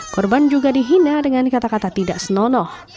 korban juga dihina dengan kata kata tidak senonoh